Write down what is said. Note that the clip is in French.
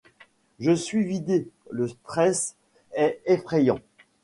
Je suis vidée, le stress est effrayant.